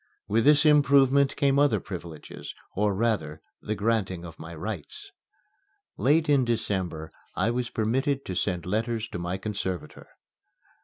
With this improvement came other privileges or, rather, the granting of my rights. Late in December I was permitted to send letters to my conservator.